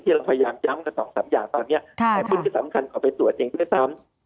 ที่เราพยายามย้ำกัน๒๓อย่างตอนนี้แต่คุณที่สำคัญก็ไปตรวจเองด้วยซ้ำ